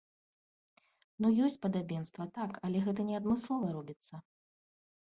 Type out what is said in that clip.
Ну ёсць падабенства, так, але гэта не адмыслова робіцца.